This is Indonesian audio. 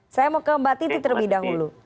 saya mau ke mbak titi terlebih dahulu